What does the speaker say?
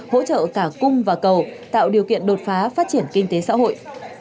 hỗ trợ cả cung và cầu tạo điều kiện đột phá phát triển kinh tế xã hội